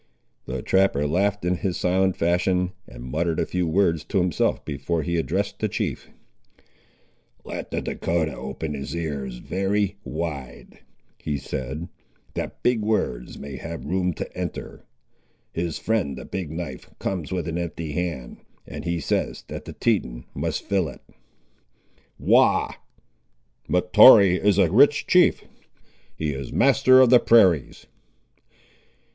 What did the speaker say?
The trapper laughed in his silent fashion, and muttered a few words to himself before he addressed the chief— "Let the Dahcotah open his ears very wide," he said "that big words may have room to enter. His friend the Big knife comes with an empty hand, and he says that the Teton must fill it." "Wagh! Mahtoree is a rich chief. He is master of the prairies."